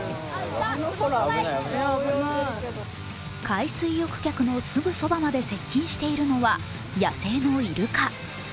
海水浴客のすぐそばまで接近しているのは野生のイルカ。